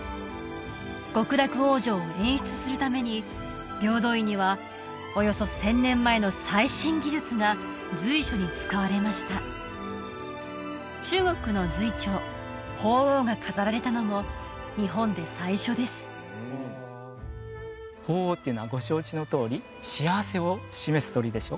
極楽往生を演出するために平等院にはおよそ１０００年前の最新技術が随所に使われました中国の瑞鳥鳳凰が飾られたのも日本で最初です鳳凰っていうのはご承知のとおり幸せを示す鳥でしょ